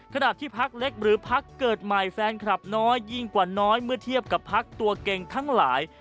ขณะที่พักเล็กหรือพักเกิดใหม่แฟนคลับน้อยยิ่งกว่าน้อยเมื่อเทียบกับพักตัวเก่งทั้งหลาย